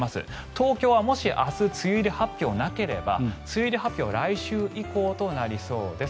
東京はもし明日梅雨入り発表なければ梅雨入り発表は来週以降となりそうです。